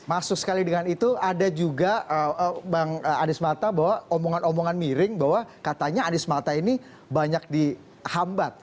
masuk sekali dengan itu ada juga bang anies mata bahwa omongan omongan miring bahwa katanya anies mata ini banyak dihambat